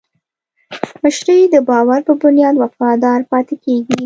مشتری د باور په بنیاد وفادار پاتې کېږي.